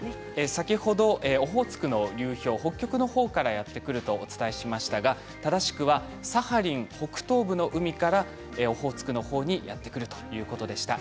先ほど、オホーツクの流氷北極のほうからやって来るとお伝えしましたが正しくはサハリン北東部の海からオホーツクのほうにやってくるということでした。